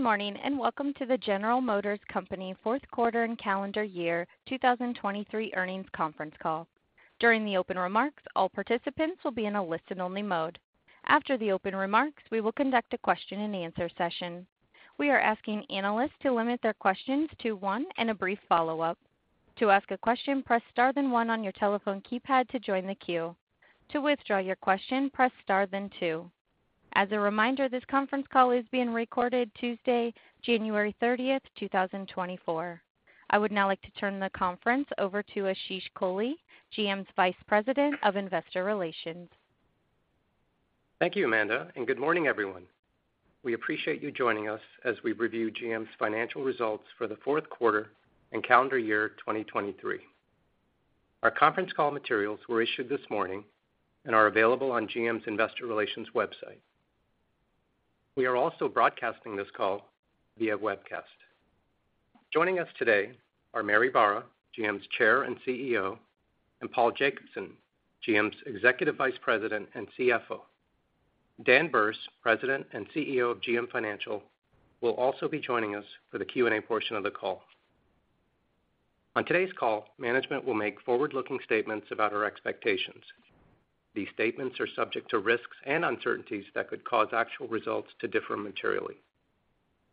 Good morning, and welcome to the General Motors Company Fourth Quarter and Calendar Year 2023 Earnings Conference Call. During the open remarks, all participants will be in a listen-only mode. After the open remarks, we will conduct a question-and-answer session. We are asking analysts to limit their questions to one and a brief follow-up. To ask a question, press star, then one on your telephone keypad to join the queue. To withdraw your question, press star then two. As a reminder, this conference call is being recorded Tuesday, January 30th, 2024. I would now like to turn the conference over to Ashish Kohli, GM's Vice President of Investor Relations. Thank you, Amanda, and good morning, everyone. We appreciate you joining us as we review GM's Financial Results for the Fourth Quarter and Calendar Year 2023. Our conference call materials were issued this morning and are available on GM's Investor Relations website. We are also broadcasting this call via webcast. Joining us today are Mary Barra, GM's Chair and CEO, and Paul Jacobson, GM's Executive Vice President and CFO. Dan Berce, President and CEO of GM Financial, will also be joining us for the Q&A portion of the call. On today's call, management will make forward-looking statements about our expectations. These statements are subject to risks and uncertainties that could cause actual results to differ materially.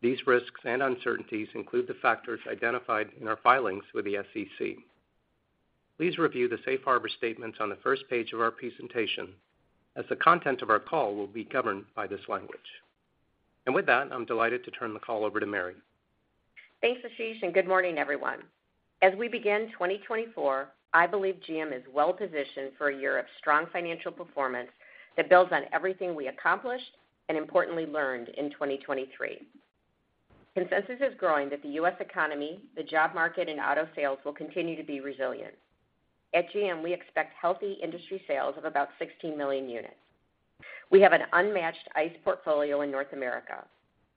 These risks and uncertainties include the factors identified in our filings with the SEC. Please review the safe harbor statements on the first page of our presentation, as the content of our call will be governed by this language. With that, I'm delighted to turn the call over to Mary. Thanks, Ashish, and good morning, everyone. As we begin 2024, I believe GM is well positioned for a year of strong financial performance that builds on everything we accomplished and importantly learned in 2023. Consensus is growing that the U.S. economy, the job market, and auto sales will continue to be resilient. At GM, we expect healthy industry sales of about 16 million units. We have an unmatched ICE portfolio in North America,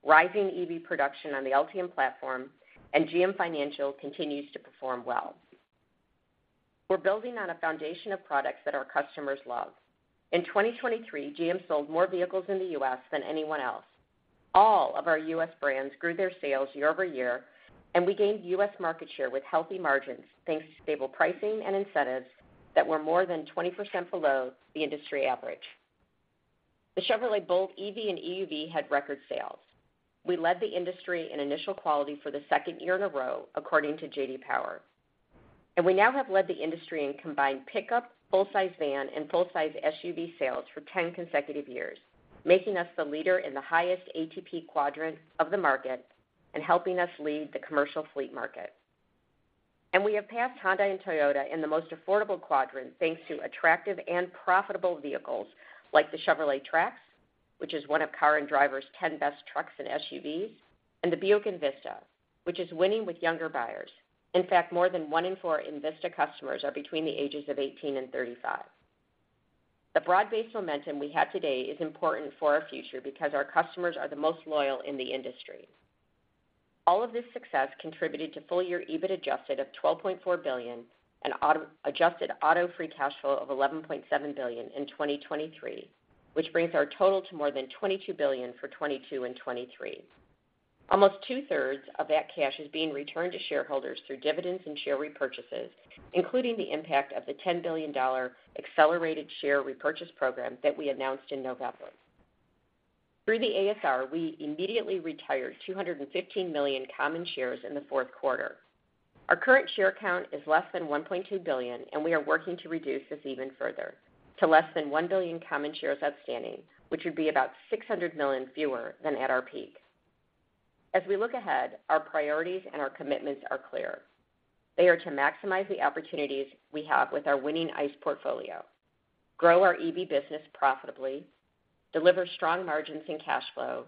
rising EV production on the Ultium platform, and GM Financial continues to perform well. We're building on a foundation of products that our customers love. In 2023, GM sold more vehicles in the U.S. than anyone else. All of our U.S. brands grew their sales year-over-year, and we gained U.S. market share with healthy margins, thanks to stable pricing and incentives that were more than 20% below the industry average. The Chevrolet Bolt EV and EUV had record sales. We led the industry in initial quality for the second year in a row, according to J.D. Power. We now have led the industry in combined pickup, full-size van, and full-size SUV sales for 10 consecutive years, making us the leader in the highest ATP quadrant of the market and helping us lead the commercial fleet market. We have passed Honda and Toyota in the most affordable quadrant, thanks to attractive and profitable vehicles like the Chevrolet Trax, which is one of Car and Driver's 10Best trucks and SUVs, and the Buick Envista, which is winning with younger buyers. In fact, more than one in four Envista customers are between the ages of 18 and 35. The broad-based momentum we have today is important for our future because our customers are the most loyal in the industry. All of this success contributed to full-year EBIT Adjusted of $12.4 billion and adjusted auto free cash flow of $11.7 billion in 2023, which brings our total to more than $22 billion for 2022 and 2023. Almost 2/3 of that cash is being returned to shareholders through dividends and share repurchases, including the impact of the $10 billion accelerated share repurchase program that we announced in November. Through the ASR, we immediately retired 215 million common shares in the fourth quarter. Our current share count is less than 1.2 billion, and we are working to reduce this even further to less than 1 billion common shares outstanding, which would be about 600 million fewer than at our peak. As we look ahead, our priorities and our commitments are clear. They are to maximize the opportunities we have with our winning ICE portfolio, grow our EV business profitably, deliver strong margins and cash flow,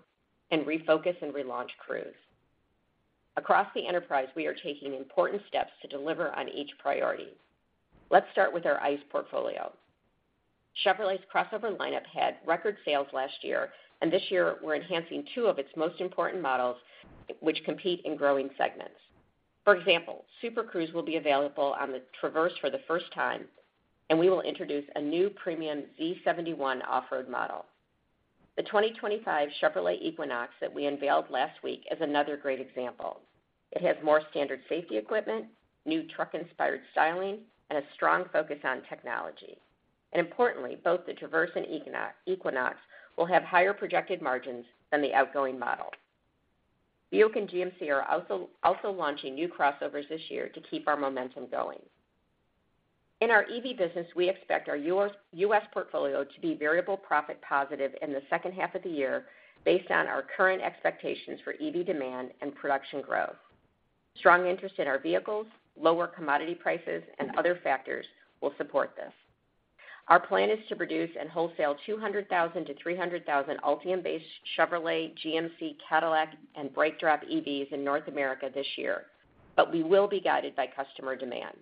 and refocus and relaunch Cruise. Across the enterprise, we are taking important steps to deliver on each priority. Let's start with our ICE portfolio. Chevrolet's crossover lineup had record sales last year, and this year we're enhancing two of its most important models, which compete in growing segments. For example, Super Cruise will be available on the Traverse for the first time, and we will introduce a new premium Z71 off-road model. The 2025 Chevrolet Equinox that we unveiled last week is another great example. It has more standard safety equipment, new truck-inspired styling, and a strong focus on technology. Importantly, both the Traverse and Equinox, Equinox will have higher projected margins than the outgoing model. Buick and GMC are also launching new crossovers this year to keep our momentum going. In our EV business, we expect our US portfolio to be variable profit positive in the second half of the year, based on our current expectations for EV demand and production growth. Strong interest in our vehicles, lower commodity prices, and other factors will support this. Our plan is to produce and wholesale 200,000-300,000 Ultium-based Chevrolet, GMC, Cadillac, and BrightDrop EVs in North America this year, but we will be guided by customer demand.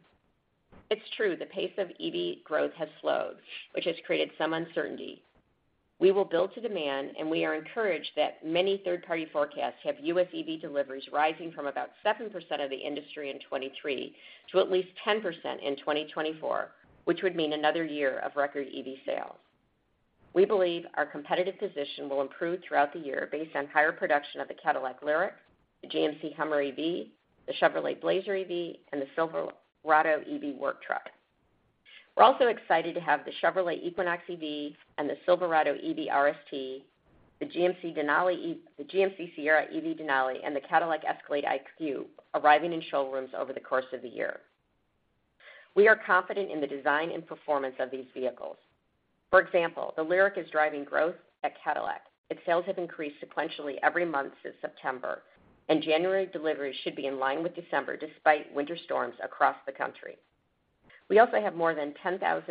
It's true, the pace of EV growth has slowed, which has created some uncertainty. We will build to demand, and we are encouraged that many third-party forecasts have U.S. EV deliveries rising from about 7% of the industry in 2023 to at least 10% in 2024, which would mean another year of record EV sales. We believe our competitive position will improve throughout the year based on higher production of the Cadillac Lyriq, the GMC Hummer EV, the Chevrolet Blazer EV, and the Silverado EV Work Truck. We're also excited to have the Chevrolet Equinox EV and the Silverado EV RST, the GMC Sierra EV Denali, and the Cadillac Escalade IQ, arriving in showrooms over the course of the year. We are confident in the design and performance of these vehicles. For example, the Lyriq is driving growth at Cadillac. Its sales have increased sequentially every month since September, and January deliveries should be in line with December, despite winter storms across the country. We also have more than 10,000,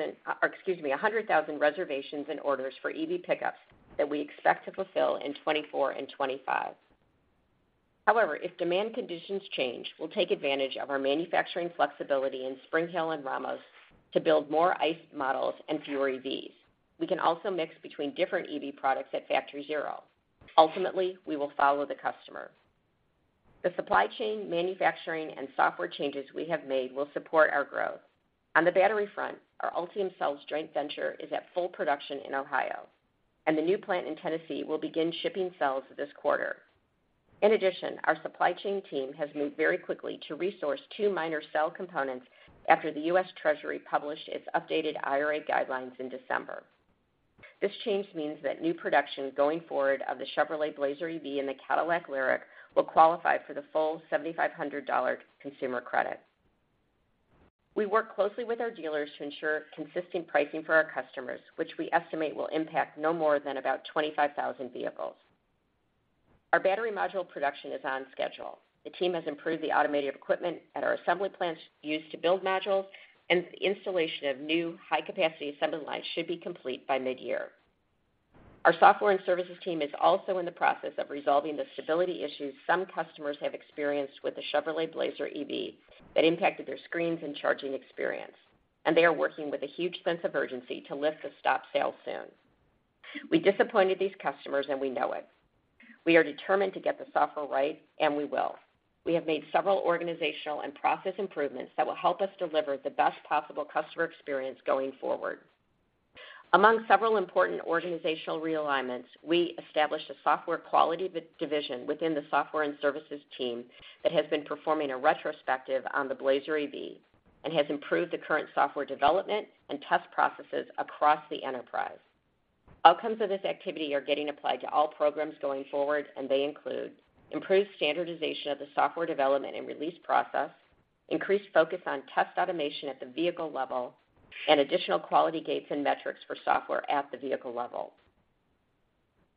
excuse me, 100,000 reservations and orders for EV pickups that we expect to fulfill in 2024 and 2025. However, if demand conditions change, we'll take advantage of our manufacturing flexibility in Spring Hill and Ramos to build more ICE models and fewer EVs. We can also mix between different EV products at Factory Zero. Ultimately, we will follow the customer. The supply chain, manufacturing, and software changes we have made will support our growth. On the battery front, our Ultium Cells joint venture is at full production in Ohio, and the new plant in Tennessee will begin shipping cells this quarter. In addition, our supply chain team has moved very quickly to resource two minor cell components after the U.S. Treasury published its updated IRA guidelines in December. This change means that new production going forward of the Chevrolet Blazer EV and the Cadillac Lyriq will qualify for the full $7,500 consumer credit. We work closely with our dealers to ensure consistent pricing for our customers, which we estimate will impact no more than about 25,000 vehicles. Our battery module production is on schedule. The team has improved the automated equipment at our assembly plants used to build modules, and the installation of new high-capacity assembly lines should be complete by mid-year. Our Software and Services team is also in the process of resolving the stability issues some customers have experienced with the Chevrolet Blazer EV that impacted their screens and charging experience, and they are working with a huge sense of urgency to lift the stop sale soon. We disappointed these customers, and we know it. We are determined to get the software right, and we will. We have made several organizational and process improvements that will help us deliver the best possible customer experience going forward. Among several important organizational realignments, we established a software quality division within the Software and Services team that has been performing a retrospective on the Blazer EV and has improved the current software development and test processes across the enterprise. Outcomes of this activity are getting applied to all programs going forward, and they include: improved standardization of the software development and release process, increased focus on test automation at the vehicle level, and additional quality gates and metrics for software at the vehicle level.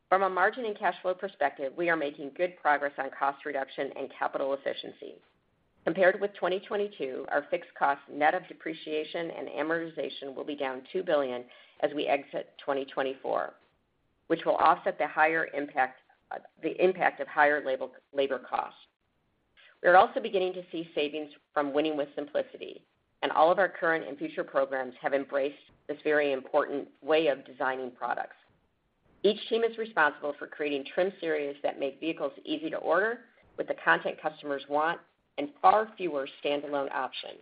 From a margin and cash flow perspective, we are making good progress on cost reduction and capital efficiency. Compared with 2022, our fixed costs, net of depreciation and amortization, will be down $2 billion as we exit 2024, which will offset the higher impact, the impact of higher labor costs. We are also beginning to see savings from Winning with Simplicity, and all of our current and future programs have embraced this very important way of designing products. Each team is responsible for creating trim series that make vehicles easy to order, with the content customers want and far fewer standalone options.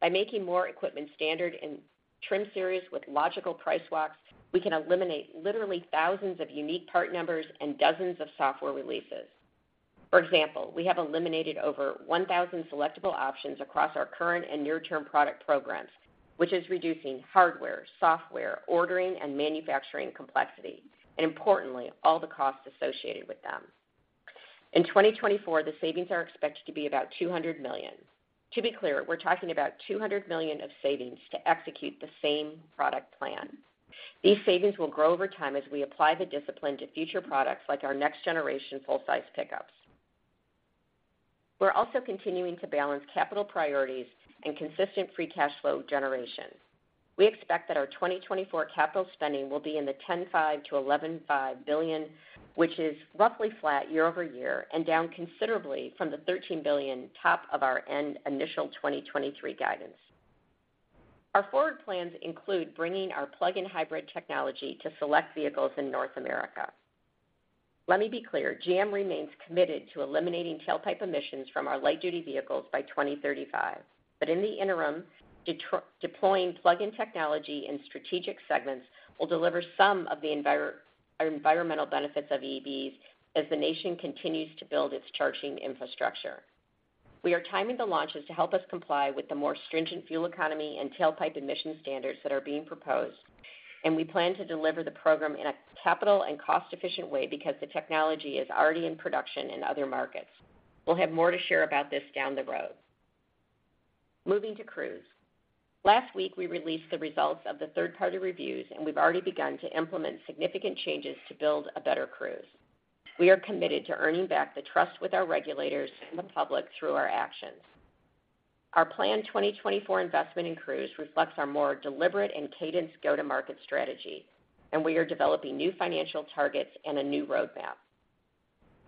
By making more equipment standard in trim series with logical price walks, we can eliminate literally thousands of unique part numbers and dozens of software releases. For example, we have eliminated over 1,000 selectable options across our current and near-term product programs, which is reducing hardware, software, ordering, and manufacturing complexity, and importantly, all the costs associated with them. In 2024, the savings are expected to be about $200 million. To be clear, we're talking about $200 million of savings to execute the same product plan. These savings will grow over time as we apply the discipline to future products, like our next-generation full-size pickups. We're also continuing to balance capital priorities and consistent free cash flow generation. We expect that our 2024 capital spending will be in the $10.5 billion-$11.5 billion, which is roughly flat year-over-year and down considerably from the $13 billion top end of our initial 2023 guidance. Our forward plans include bringing our plug-in hybrid technology to select vehicles in North America. Let me be clear, GM remains committed to eliminating tailpipe emissions from our light-duty vehicles by 2035. But in the interim, deploying plug-in technology in strategic segments will deliver some of the environmental benefits of EVs as the nation continues to build its charging infrastructure. We are timing the launches to help us comply with the more stringent fuel economy and tailpipe emission standards that are being proposed, and we plan to deliver the program in a capital and cost-efficient way because the technology is already in production in other markets. We'll have more to share about this down the road. Moving to Cruise. Last week, we released the results of the third-party reviews, and we've already begun to implement significant changes to build a better Cruise. We are committed to earning back the trust with our regulators and the public through our actions. Our planned 2024 investment in Cruise reflects our more deliberate and cadenced go-to-market strategy, and we are developing new financial targets and a new roadmap.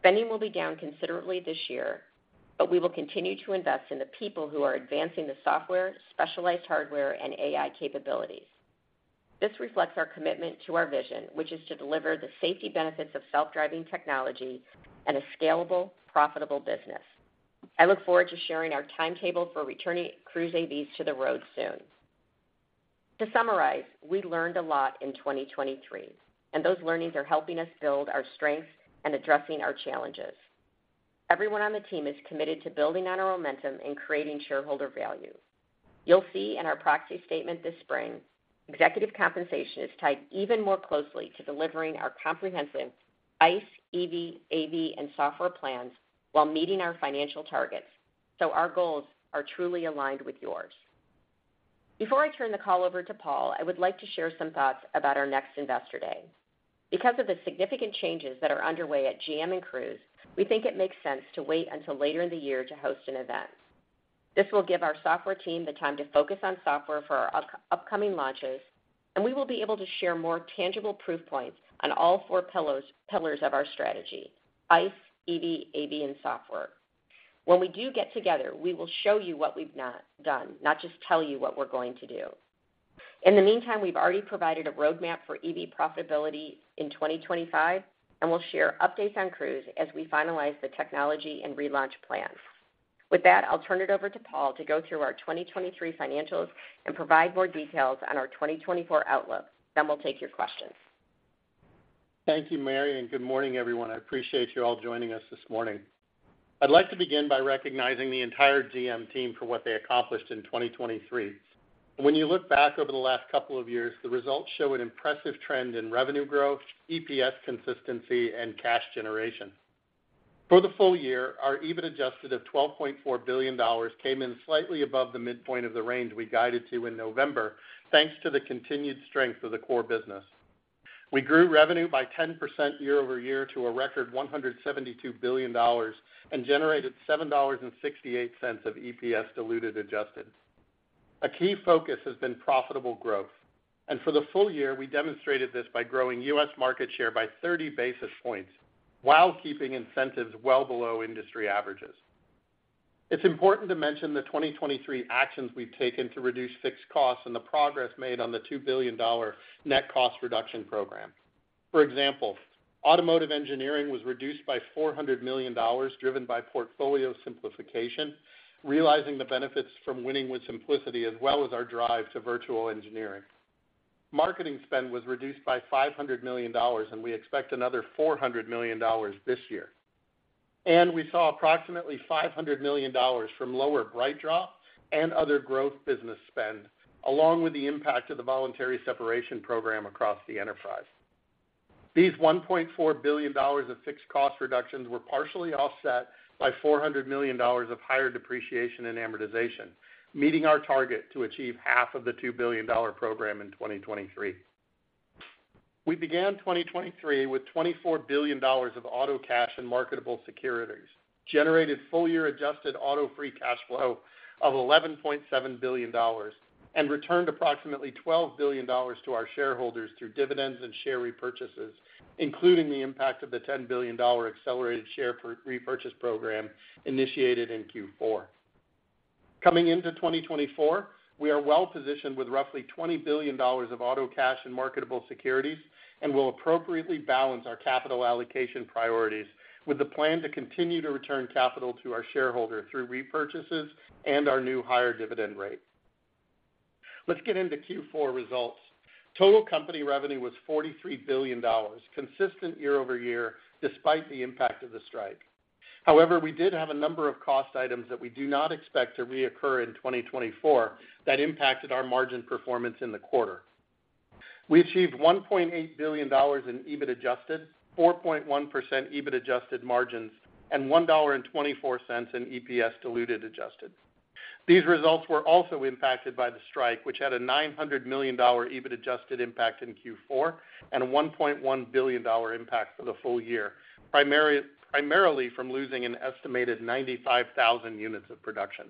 Spending will be down considerably this year, but we will continue to invest in the people who are advancing the software, specialized hardware, and AI capabilities. This reflects our commitment to our vision, which is to deliver the safety benefits of self-driving technology and a scalable, profitable business, I look forward to sharing our timetable for returning Cruise AVs to the road soon. To summarize, we learned a lot in 2023, and those learnings are helping us build our strengths and addressing our challenges. Everyone on the team is committed to building on our momentum and creating shareholder value. You'll see in our proxy statement this spring, executive compensation is tied even more closely to delivering our comprehensive ICE, EV, AV, and software plans while meeting our financial targets, so our goals are truly aligned with yours. Before I turn the call over to Paul, I would like to share some thoughts about our next Investor Day. Because of the significant changes that are underway at GM and Cruise, we think it makes sense to wait until later in the year to host an event. This will give our software team the time to focus on software for our upcoming launches, and we will be able to share more tangible proof points on all four pillars of our strategy, ICE, EV, AV, and software. When we do get together, we will show you what we've done, not just tell you what we're going to do. In the meantime, we've already provided a roadmap for EV profitability in 2025, and we'll share updates on Cruise as we finalize the technology and relaunch plans. With that, I'll turn it over to Paul to go through our 2023 financials and provide more details on our 2024 outlook. Then we'll take your questions. Thank you, Mary, and good morning, everyone. I appreciate you all joining us this morning. I'd like to begin by recognizing the entire GM team for what they accomplished in 2023. When you look back over the last couple of years, the results show an impressive trend in revenue growth, EPS consistency, and cash generation. For the full year, our EBIT Adjusted of $12.4 billion came in slightly above the midpoint of the range we guided to in November, thanks to the continued strength of the core business. We grew revenue by 10% year-over-year to a record $172 billion and generated $7.68 of EPS Diluted Adjusted. A key focus has been profitable growth, and for the full year, we demonstrated this by growing U.S. market share by 30 basis points while keeping incentives well below industry averages. It's important to mention the 2023 actions we've taken to reduce fixed costs and the progress made on the $2 billion net cost reduction program. For example, automotive engineering was reduced by $400 million, driven by portfolio simplification, realizing the benefits from Winning with Simplicity, as well as our drive to virtual engineering. Marketing spend was reduced by $500 million, and we expect another $400 million this year. And we saw approximately $500 million from lower BrightDrop and other growth business spend, along with the impact of the voluntary separation program across the enterprise. These $1.4 billion of fixed cost reductions were partially offset by $400 million of higher depreciation and amortization, meeting our target to achieve half of the $2 billion program in 2023. We began 2023 with $24 billion of auto cash and marketable securities, generated full-year adjusted auto free cash flow of $11.7 billion, and returned approximately $12 billion to our shareholders through dividends and share repurchases, including the impact of the $10 billion accelerated share repurchase program initiated in Q4. Coming into 2024, we are well positioned with roughly $20 billion of auto cash and marketable securities and will appropriately balance our capital allocation priorities with the plan to continue to return capital to our shareholder through repurchases and our new higher dividend rate. Let's get into Q4 results. Total company revenue was $43 billion, consistent year-over-year, despite the impact of the strike. However, we did have a number of cost items that we do not expect to reoccur in 2024 that impacted our margin performance in the quarter. We achieved $1.8 billion in EBIT adjusted, 4.1% EBIT adjusted margins, and $1.24 in EPS diluted adjusted. These results were also impacted by the strike, which had a $900 million EBIT adjusted impact in Q4 and a $1.1 billion impact for the full year, primarily from losing an estimated 95,000 units of production.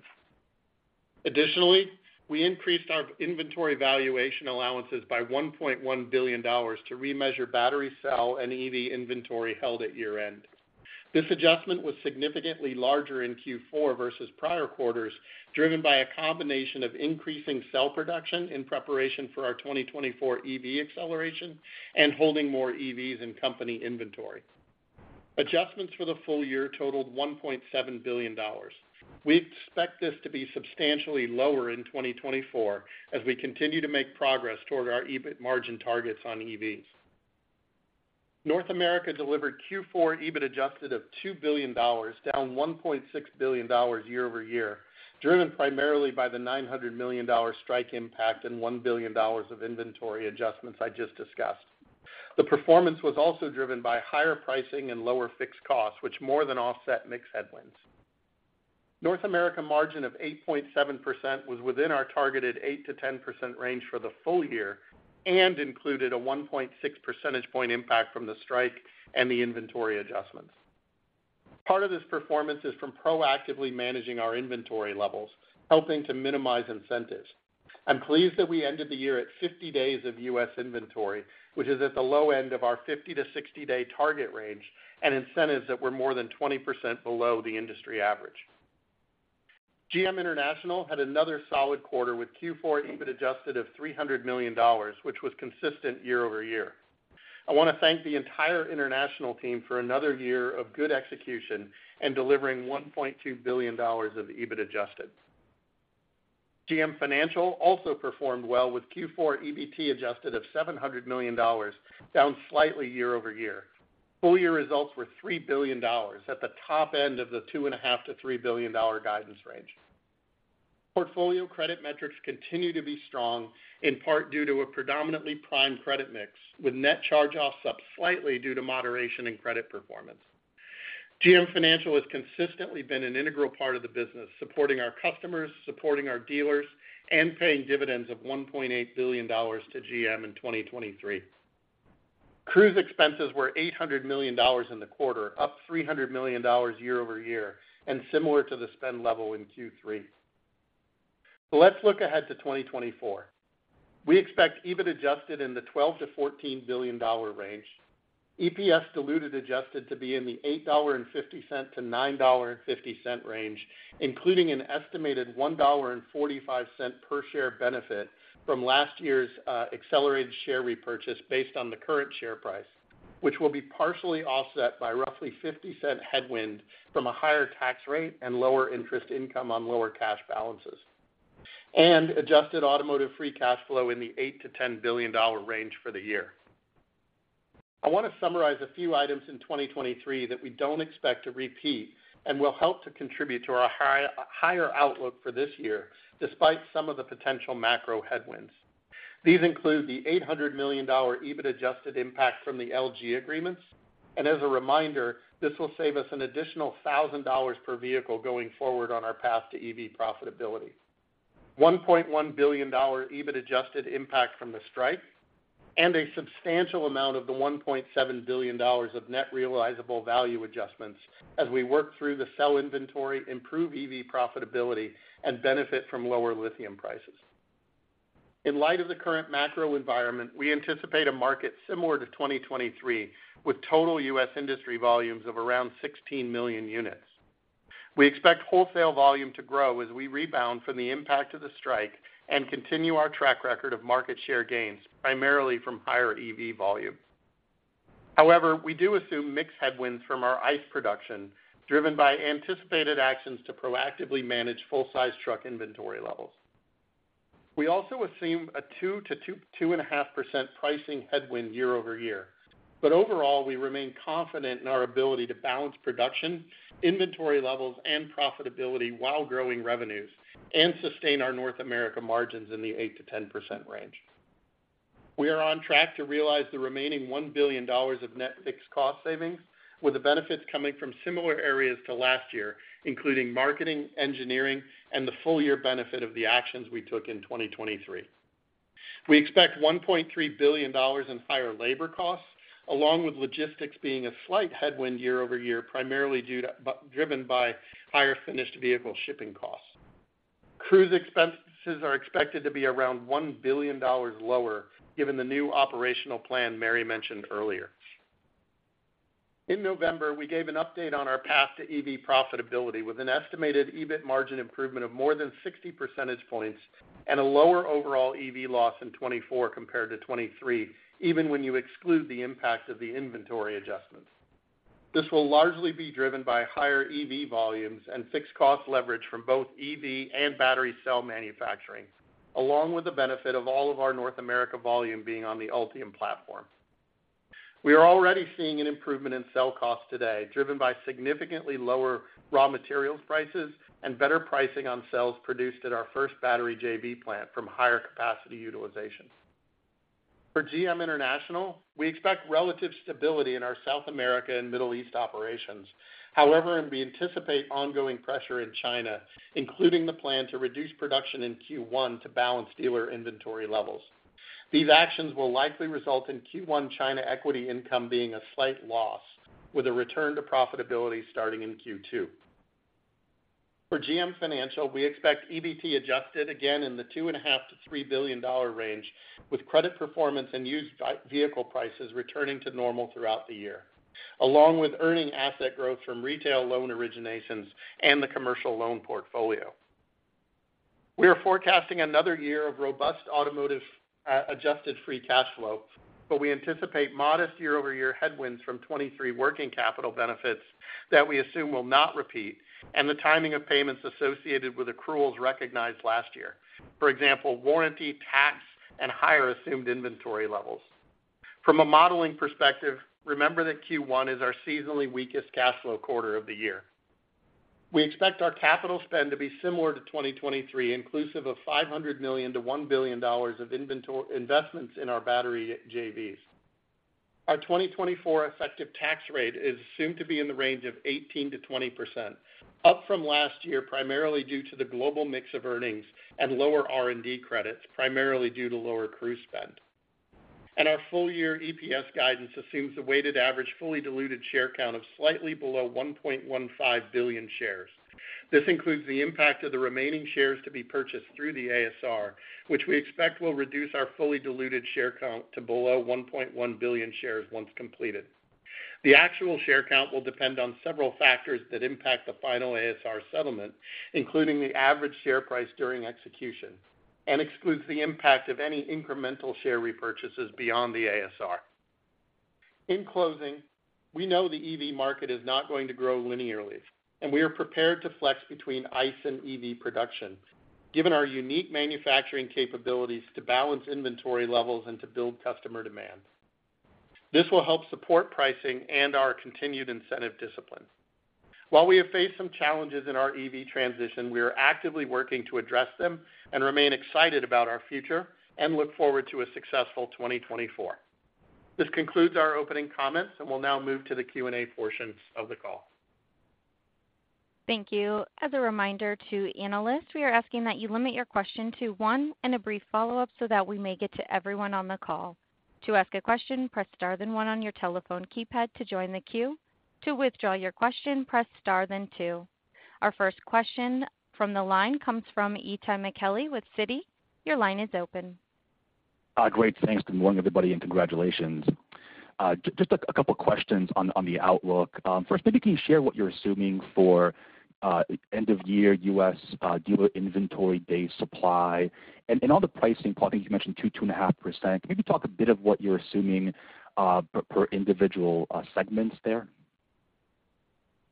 Additionally, we increased our inventory valuation allowances by $1.1 billion to remeasure battery cell and EV inventory held at year-end. This adjustment was significantly larger in Q4 versus prior quarters, driven by a combination of increasing cell production in preparation for our 2024 EV acceleration and holding more EVs in company inventory. Adjustments for the full year totaled $1.7 billion. We expect this to be substantially lower in 2024 as we continue to make progress toward our EBIT margin targets on EVs. North America delivered Q4 EBIT adjusted of $2 billion, down $1.6 billion year-over-year, driven primarily by the $900 million strike impact and $1 billion of inventory adjustments I just discussed. The performance was also driven by higher pricing and lower fixed costs, which more than offset mix headwinds. North America margin of 8.7% was within our targeted 8%-10% range for the full year and included a 1.6 percentage point impact from the strike and the inventory adjustments. Part of this performance is from proactively managing our inventory levels, helping to minimize incentives. I'm pleased that we ended the year at 50 days of U.S. inventory, which is at the low end of our 50- to 60-day target range, and incentives that were more than 20% below the industry average. GM International had another solid quarter with Q4 EBIT adjusted of $300 million, which was consistent year-over-year. I want to thank the entire international team for another year of good execution and delivering $1.2 billion of EBIT adjusted. GM Financial also performed well, with Q4 EBT adjusted of $700 million, down slightly year-over-year. Full-year results were $3 billion, at the top end of the $2.5 billion-$3 billion guidance range. Portfolio credit metrics continue to be strong, in part due to a predominantly prime credit mix, with net charge-offs up slightly due to moderation in credit performance. GM Financial has consistently been an integral part of the business, supporting our customers, supporting our dealers, and paying dividends of $1.8 billion to GM in 2023. Cruise expenses were $800 million in the quarter, up $300 million year-over-year, and similar to the spend level in Q3. So let's look ahead to 2024. We expect EBIT Adjusted in the $12 billion-$14 billion range, EPS Diluted Adjusted to be in the $8.50-$9.50 range, including an estimated $1.45 per share benefit from last year's accelerated share repurchase based on the current share price, which will be partially offset by roughly $0.50 headwind from a higher tax rate and lower interest income on lower cash balances, and adjusted automotive free cash flow in the $8 billion-$10 billion range for the year. I want to summarize a few items in 2023 that we don't expect to repeat and will help to contribute to our higher outlook for this year, despite some of the potential macro headwinds. These include the $800 million EBIT Adjusted impact from the LG agreements, and as a reminder, this will save us an additional $1,000 per vehicle going forward on our path to EV profitability. $1.1 billion EBIT Adjusted impact from the strike, and a substantial amount of the $1.7 billion of net realizable value adjustments as we work through the cell inventory, improve EV profitability, and benefit from lower lithium prices. In light of the current macro environment, we anticipate a market similar to 2023, with total U.S. industry volumes of around 16 million units. We expect wholesale volume to grow as we rebound from the impact of the strike and continue our track record of market share gains, primarily from higher EV volumes. However, we do assume mix headwinds from our ICE production, driven by anticipated actions to proactively manage full-size truck inventory levels. We also assume a 2%-2.5% pricing headwind year-over-year. But overall, we remain confident in our ability to balance production, inventory levels, and profitability while growing revenues and sustain our North America margins in the 8%-10% range. We are on track to realize the remaining $1 billion of net fixed cost savings, with the benefits coming from similar areas to last year, including marketing, engineering, and the full-year benefit of the actions we took in 2023. We expect $1.3 billion in higher labor costs, along with logistics being a slight headwind year-over-year, primarily driven by higher finished vehicle shipping costs. Cruise expenses are expected to be around $1 billion lower, given the new operational plan Mary mentioned earlier. In November, we gave an update on our path to EV profitability with an estimated EBIT margin improvement of more than 60 percentage points and a lower overall EV loss in 2024 compared to 2023, even when you exclude the impact of the inventory adjustments. This will largely be driven by higher EV volumes and fixed cost leverage from both EV and battery cell manufacturing, along with the benefit of all of our North America volume being on the Ultium platform. We are already seeing an improvement in cell costs today, driven by significantly lower raw materials prices and better pricing on cells produced at our first battery JV plant from higher capacity utilization. For GM International, we expect relative stability in our South America and Middle East operations. However, we anticipate ongoing pressure in China, including the plan to reduce production in Q1 to balance dealer inventory levels. These actions will likely result in Q1 China equity income being a slight loss, with a return to profitability starting in Q2. For GM Financial, we expect EBT adjusted again in the $2.5-$3 billion range, with credit performance and used vehicle prices returning to normal throughout the year, along with earning asset growth from retail loan originations and the commercial loan portfolio. We are forecasting another year of robust automotive adjusted free cash flow, but we anticipate modest year-over-year headwinds from 2023 working capital benefits that we assume will not repeat, and the timing of payments associated with accruals recognized last year. For example, warranty, tax, and higher assumed inventory levels. From a modeling perspective, remember that Q1 is our seasonally weakest cash flow quarter of the year. We expect our capital spend to be similar to 2023, inclusive of $500 million-$1 billion of investments in our battery JVs. Our 2024 effective tax rate is assumed to be in the range of 18%-20%, up from last year, primarily due to the global mix of earnings and lower R&D credits, primarily due to lower Cruise spend. Our full-year EPS guidance assumes a weighted average, fully diluted share count of slightly below 1.15 billion shares. This includes the impact of the remaining shares to be purchased through the ASR, which we expect will reduce our fully diluted share count to below 1.1 billion shares once completed. The actual share count will depend on several factors that impact the final ASR settlement, including the average share price during execution, and excludes the impact of any incremental share repurchases beyond the ASR. In closing, we know the EV market is not going to grow linearly, and we are prepared to flex between ICE and EV production, given our unique manufacturing capabilities to balance inventory levels and to build customer demand. This will help support pricing and our continued incentive discipline. While we have faced some challenges in our EV transition, we are actively working to address them and remain excited about our future and look forward to a successful 2024. This concludes our opening comments, and we'll now move to the Q&A portion of the call. Thank you. As a reminder to analysts, we are asking that you limit your question to one and a brief follow-up so that we may get to everyone on the call. To ask a question, press star, then one on your telephone keypad to join the queue. To withdraw your question, press star then two. Our first question from the line comes from Itay Michaeli with Citi. Your line is open. Great, thanks. Good morning, everybody, and congratulations. Just a couple of questions on the outlook. First, maybe can you share what you're assuming for end of year U.S. dealer inventory days supply? And on the pricing, Paul, I think you mentioned 2.5%. Can you talk a bit of what you're assuming per individual segments there?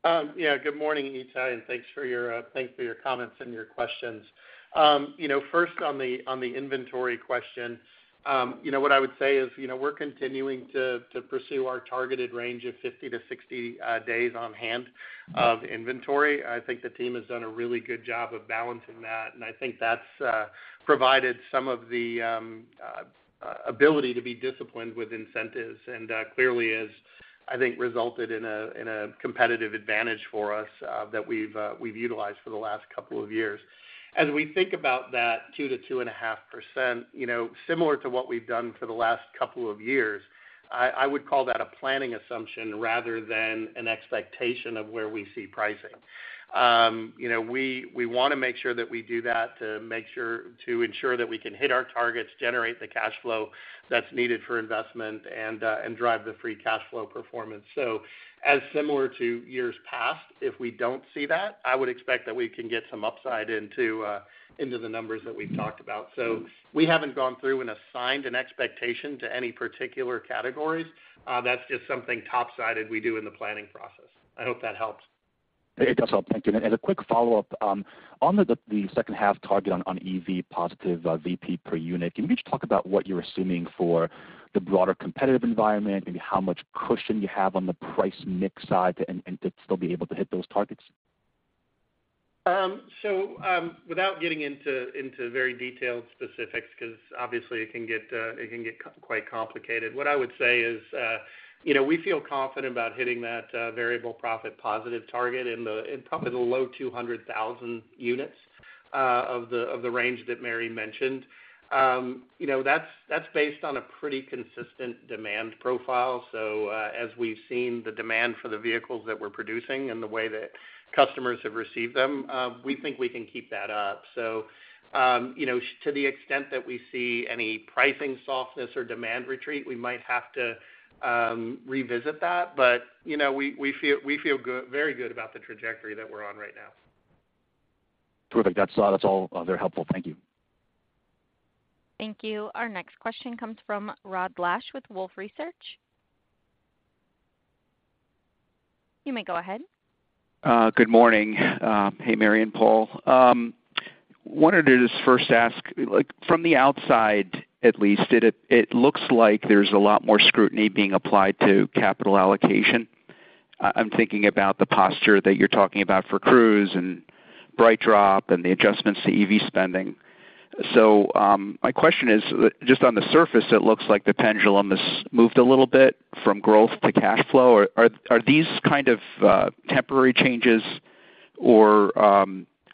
Yeah, good morning, Itay, and thanks for your comments and your questions. You know, first on the inventory question, you know, what I would say is, you know, we're continuing to pursue our targeted range of 50-60 days on hand of inventory. I think the team has done a really good job of balancing that, and I think that's provided some of the ability to be disciplined with incentives, and clearly has, I think, resulted in a competitive advantage for us, that we've utilized for the last couple of years. As we think about that 2%-2.5%, you know, similar to what we've done for the last couple of years, I would call that a planning assumption rather than an expectation of where we see pricing. You know, we want to make sure that we do that to ensure that we can hit our targets, generate the cash flow that's needed for investment, and drive the free cash flow performance. So as similar to years past, if we don't see that, I would expect that we can get some upside into the numbers that we've talked about. So we haven't gone through and assigned an expectation to any particular categories. That's just something top-sided we do in the planning process. I hope that helps. It does help. Thank you. And a quick follow-up. On the second half target on EV positive VP per unit, can you just talk about what you're assuming for the broader competitive environment, maybe how much cushion you have on the price mix side, and to still be able to hit those targets? So, without getting into very detailed specifics, because obviously it can get quite complicated. What I would say is, you know, we feel confident about hitting that variable profit positive target in probably the low 200,000 units of the range that Mary mentioned. You know, that's based on a pretty consistent demand profile. So, as we've seen the demand for the vehicles that we're producing and the way that customers have received them, we think we can keep that up. So, you know, to the extent that we see any pricing softness or demand retreat, we might have to revisit that. But, you know, we feel good, very good about the trajectory that we're on right now. Terrific. That's, that's all, very helpful. Thank you. Thank you. Our next question comes from Rod Lache with Wolfe Research. You may go ahead. Good morning. Hey, Mary and Paul. Wanted to just first ask, like, from the outside, at least, it looks like there's a lot more scrutiny being applied to capital allocation. I'm thinking about the posture that you're talking about for Cruise and BrightDrop and the adjustments to EV spending. So, my question is, just on the surface, it looks like the pendulum has moved a little bit from growth to cash flow. Are these kind of temporary changes, or,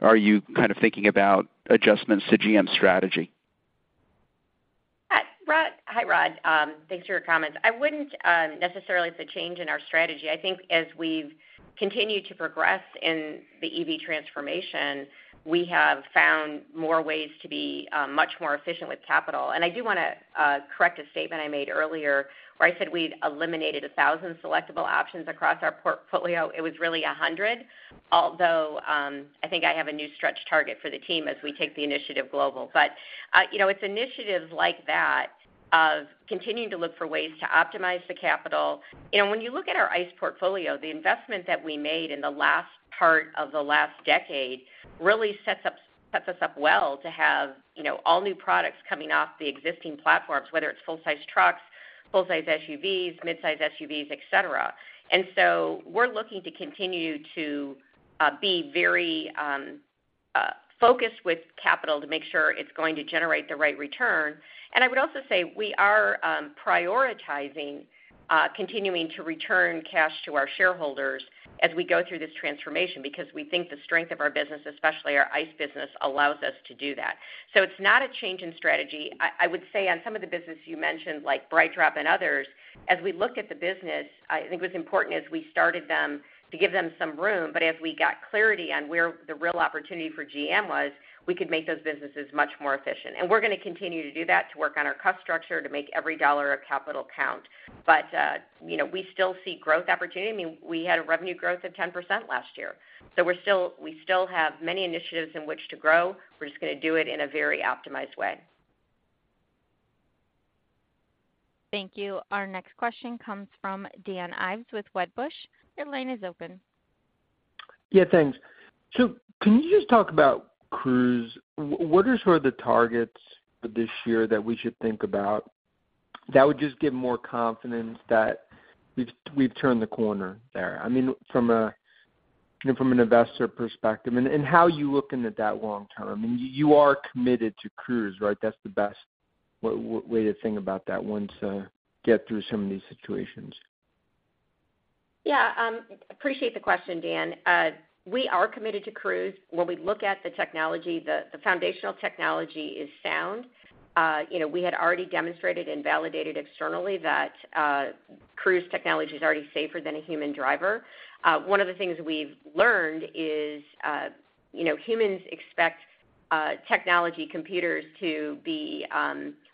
are you kind of thinking about adjustments to GM strategy? Hi, Rod. Hi, Rod. Thanks for your comments. I wouldn't necessarily it's a change in our strategy. I think as we've continued to progress in the EV transformation, we have found more ways to be much more efficient with capital. I do want to correct a statement I made earlier, where I said we'd eliminated 1,000 selectable options across our portfolio. It was really 100, although I think I have a new stretch target for the team as we take the initiative global. You know, it's initiatives like that, of continuing to look for ways to optimize the capital. You know, when you look at our ICE portfolio, the investment that we made in the last part of the last decade really sets us up well to have, you know, all new products coming off the existing platforms, whether it's full-size trucks, full-size SUVs, mid-size SUVs, et cetera. And so we're looking to continue to be very focused with capital to make sure it's going to generate the right return. And I would also say we are prioritizing continuing to return cash to our shareholders as we go through this transformation, because we think the strength of our business, especially our ICE business, allows us to do that. So it's not a change in strategy. I would say on some of the business you mentioned, like BrightDrop and others, as we look at the business, I think what's important is we started them to give them some room. But as we got clarity on where the real opportunity for GM was, we could make those businesses much more efficient. And we're going to continue to do that, to work on our cost structure, to make every dollar of capital count. But, you know, we still see growth opportunity. I mean, we had a revenue growth of 10% last year, so we're still, we still have many initiatives in which to grow. We're just going to do it in a very optimized way. Thank you. Our next question comes from Dan Ives with Wedbush. Your line is open. Yeah, thanks. So can you just talk about Cruise? What are sort of the targets for this year that we should think about that would just give more confidence that we've, we've turned the corner there? I mean, from a, you know, from an investor perspective, and, and how are you looking at that long term? I mean, you are committed to Cruise, right? That's the best way to think about that once get through some of these situations. Yeah, appreciate the question, Dan. We are committed to Cruise. When we look at the technology, the foundational technology is sound. You know, we had already demonstrated and validated externally that Cruise technology is already safer than a human driver. One of the things we've learned is, you know, humans expect technology computers to be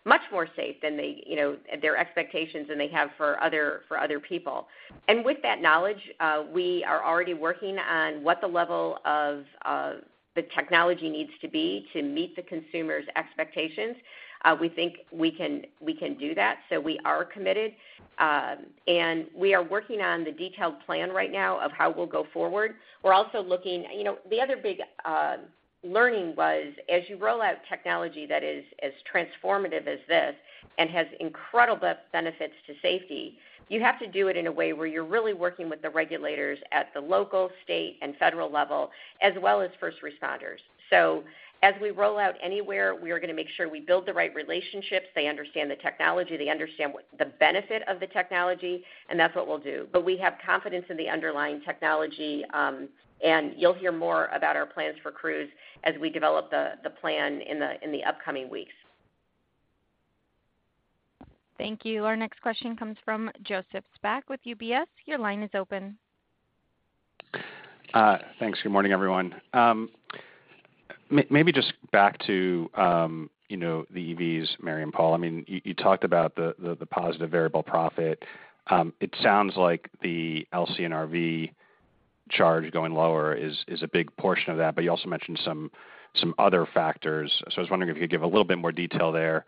much more safe than they, you know, their expectations than they have for other people. And with that knowledge, we are already working on what the level of the technology needs to be to meet the consumer's expectations. We think we can do that, so we are committed. And we are working on the detailed plan right now of how we'll go forward. We're also looking. You know, the other big, learning was, as you roll out technology that is as transformative as this and has incredible benefits to safety, you have to do it in a way where you're really working with the regulators at the local, state, and federal level, as well as first responders. So as we roll out anywhere, we are gonna make sure we build the right relationships, they understand the technology, they understand what the benefit of the technology, and that's what we'll do. But we have confidence in the underlying technology, and you'll hear more about our plans for Cruise as we develop the plan in the upcoming weeks. Thank you. Our next question comes from Joseph Spak with UBS. Your line is open. Thanks. Good morning, everyone. Maybe just back to, you know, the EVs, Mary and Paul. I mean, you talked about the positive variable profit. It sounds like the LCNRV charge going lower is a big portion of that, but you also mentioned some other factors. So I was wondering if you could give a little bit more detail there.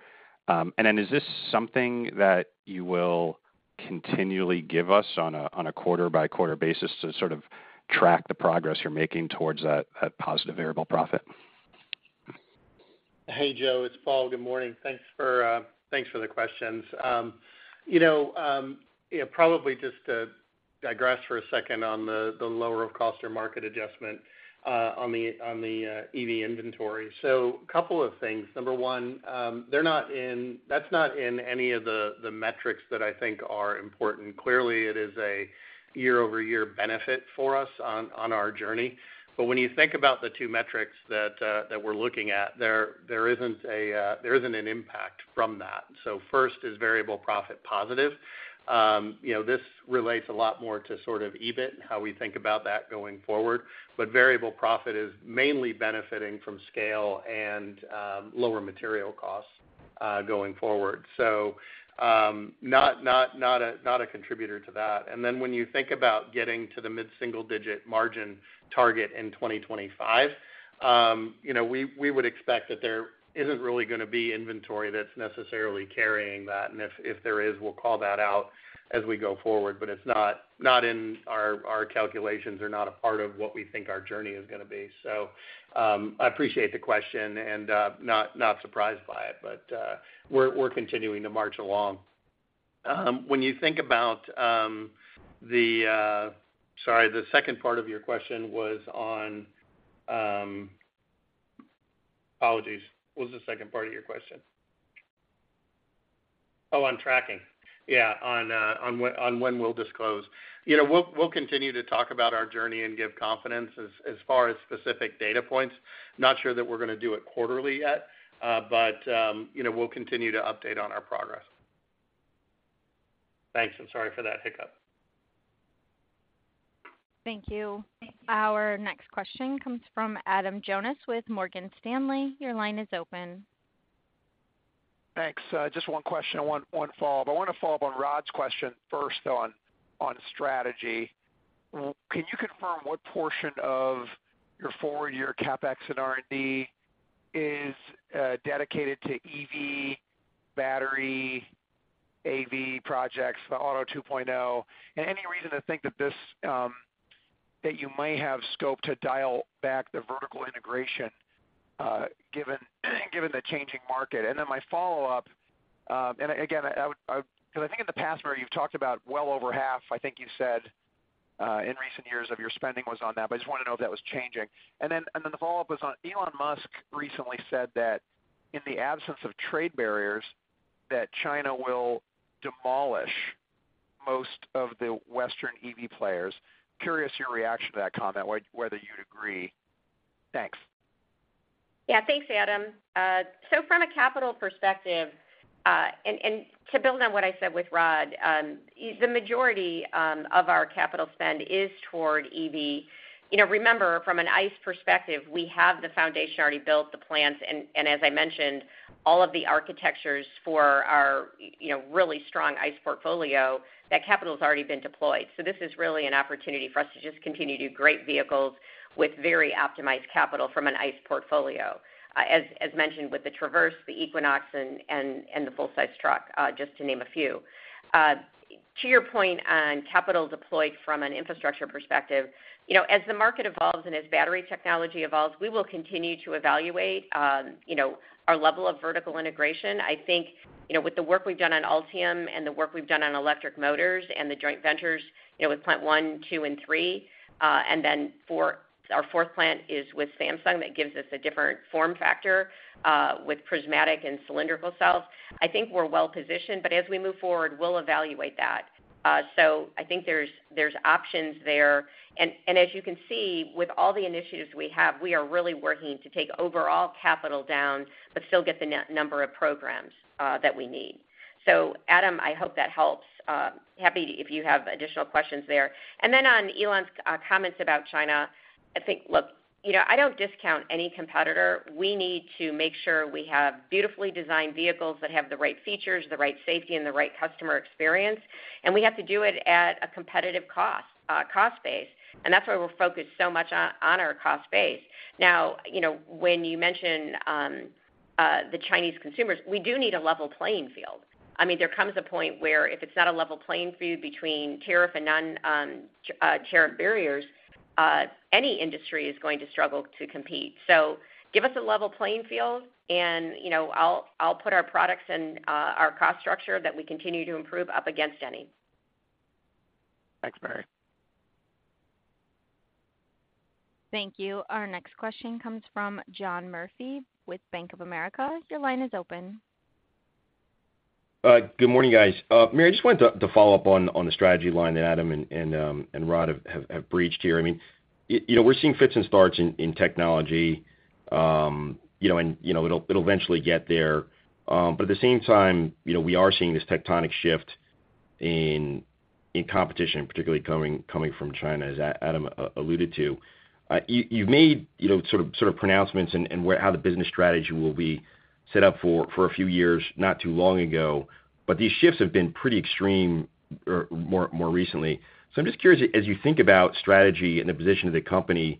And then, is this something that you will continually give us on a quarter-by-quarter basis to sort of track the progress you're making towards that positive variable profit? Hey, Joe, it's Paul. Good morning. Thanks for, thanks for the questions. You know, yeah, probably just to digress for a second on the lower of cost or market adjustment on the EV inventory. So couple of things. Number one, that's not in any of the metrics that I think are important. Clearly, it is a year-over-year benefit for us on our journey. But when you think about the two metrics that we're looking at, there isn't an impact from that. So first is Variable Profit positive. You know, this relates a lot more to sort of EBIT and how we think about that going forward. But Variable Profit is mainly benefiting from scale and lower material costs going forward. So, not a contributor to that. And then when you think about getting to the mid-single digit margin target in 2025, you know, we would expect that there isn't really gonna be inventory that's necessarily carrying that. And if there is, we'll call that out as we go forward. But it's not in our calculations or not a part of what we think our journey is gonna be. So, I appreciate the question, and not surprised by it, but we're continuing to march along. When you think about the... Sorry, the second part of your question was on, Apologies. What was the second part of your question? Oh, on tracking. Yeah, on when we'll disclose. You know, we'll continue to talk about our journey and give confidence. As far as specific data points, not sure that we're gonna do it quarterly yet, but you know, we'll continue to update on our progress. Thanks, and sorry for that hiccup. Thank you. Our next question comes from Adam Jonas with Morgan Stanley. Your line is open. Thanks. Just one question and one follow-up. I want to follow up on Rod's question first, though, on strategy. Can you confirm what portion of your four-year CapEx and R&D is dedicated to EV, battery, AV projects, the Auto 2.0? And any reason to think that this that you might have scope to dial back the vertical integration, given the changing market? And then my follow-up, and again, I because I think in the past, Mary, you've talked about well over half, I think you said, in recent years of your spending was on that, but I just want to know if that was changing. And then the follow-up was on Elon Musk recently said that in the absence of trade barriers, that China will demolish most of the Western EV players. Curious your reaction to that comment, whether you'd agree. Thanks. Yeah. Thanks, Adam. So from a capital perspective, and to build on what I said with Rod, the majority of our capital spend is toward EV. You know, remember, from an ICE perspective, we have the foundation already built, the plants, and as I mentioned, all of the architectures for our, you know, really strong ICE portfolio, that capital's already been deployed. So this is really an opportunity for us to just continue to do great vehicles with very optimized capital from an ICE portfolio, as mentioned with the Traverse, the Equinox, and the full-size truck, just to name a few. To your point on capital deployed from an infrastructure perspective, you know, as the market evolves and as battery technology evolves, we will continue to evaluate, you know, our level of vertical integration. I think, you know, with the work we've done on Ultium and the work we've done on electric motors and the joint ventures, you know, with plant 1, 2, and 3, and then 4, our fourth plant is with Samsung, that gives us a different form factor, with prismatic and cylindrical cells. I think we're well-positioned, but as we move forward, we'll evaluate that. So I think there's options there. And as you can see, with all the initiatives we have, we are really working to take overall capital down, but still get the number of programs that we need. So Adam, I hope that helps. Happy if you have additional questions there. And then on Elon's comments about China, I think, look, you know, I don't discount any competitor. We need to make sure we have beautifully designed vehicles that have the right features, the right safety, and the right customer experience, and we have to do it at a competitive cost, cost base. And that's why we're focused so much on, on our cost base. Now, you know, when you mention, the Chinese consumers, we do need a level playing field. I mean, there comes a point where if it's not a level playing field between tariff and non, tariff barriers, any industry is going to struggle to compete. So give us a level playing field, and, you know, I'll, I'll put our products and, our cost structure that we continue to improve up against any. Thanks, Mary. Thank you. Our next question comes from John Murphy with Bank of America. Your line is open. Good morning, guys. Mary, I just wanted to follow up on the strategy line that Adam and Rod have breached here. I mean, you know, we're seeing fits and starts in technology, you know, and you know, it'll eventually get there. But at the same time, you know, we are seeing this tectonic shift in competition, particularly coming from China, as Adam alluded to. You've made, you know, sort of pronouncements in how the business strategy will be set up for a few years, not too long ago, but these shifts have been pretty extreme or more recently. I'm just curious, as you think about strategy and the position of the company,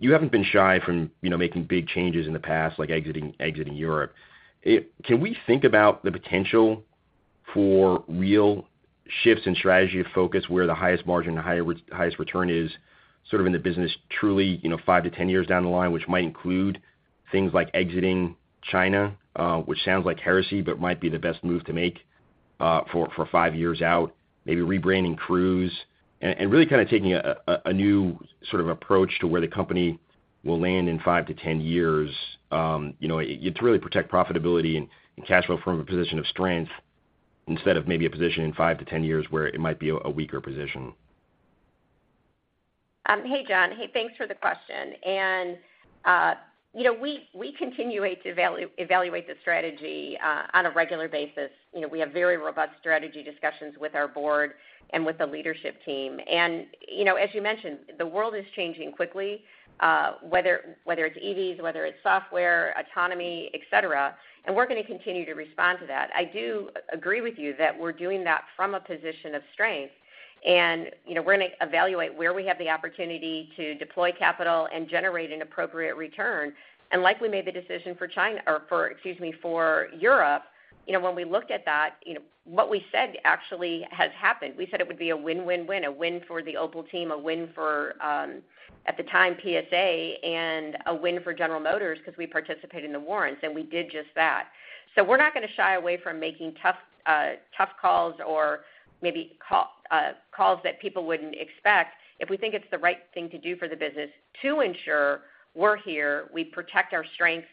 you haven't been shy from, you know, making big changes in the past, like exiting Europe. Can we think about the potential for real shifts in strategy of focus, where the highest margin, the highest return is sort of in the business, truly, you know, 5-10 years down the line, which might include things like exiting China, which sounds like heresy, but might be the best move to make, for 5 years out, maybe rebranding Cruise, and really kind of taking a new sort of approach to where the company will land in 5-10 years, you know, it's really protect profitability and cash flow from a position of strength, instead of maybe a position in 5-10 years where it might be a weaker position? Hey, John. Hey, thanks for the question. You know, we continue to evaluate the strategy on a regular basis. You know, we have very robust strategy discussions with our board and with the leadership team. You know, as you mentioned, the world is changing quickly, whether it's EVs, whether it's software, autonomy, et cetera, and we're going to continue to respond to that. I do agree with you that we're doing that from a position of strength, and you know, we're going to evaluate where we have the opportunity to deploy capital and generate an appropriate return. Like we made the decision for China, or for, excuse me, for Europe, you know, when we looked at that, you know, what we said actually has happened. We said it would be a win, win, win. A win for the Opel team, a win for, at the time, PSA, and a win for General Motors because we participated in the warrants, and we did just that. So we're not going to shy away from making tough, tough calls or maybe calls that people wouldn't expect if we think it's the right thing to do for the business to ensure we're here, we protect our strengths,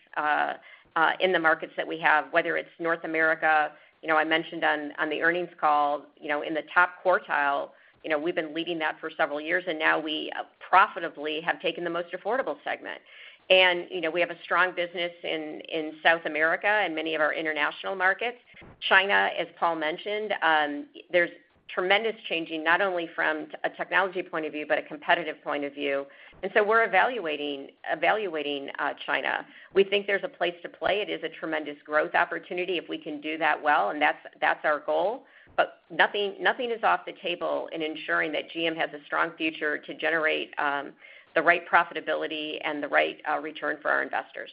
in the markets that we have, whether it's North America. You know, I mentioned on the earnings call, you know, in the top quartile, you know, we've been leading that for several years, and now we, profitably have taken the most affordable segment. And, you know, we have a strong business in South America and many of our international markets. China, as Paul mentioned, there's tremendous changing, not only from a technology point of view, but a competitive point of view. And so we're evaluating China. We think there's a place to play. It is a tremendous growth opportunity if we can do that well, and that's our goal. But nothing is off the table in ensuring that GM has a strong future to generate the right profitability and the right return for our investors.